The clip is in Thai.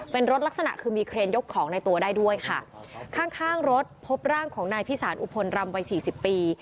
เป็นรถลักษณะคือมีเครนยกของในตัวได้ด้วยค่ะข้างข้างรถพบร่างของนายพิสารอุพลรำวัยสี่สิบปี